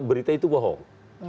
berita itu bohong